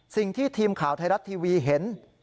สิ่งที่ทีมข่าวไทยรัตน์ทีวีเห็น